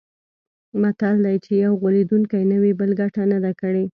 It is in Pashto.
متل دی: چې یو غولېدلی نه وي، بل ګټه نه ده کړې.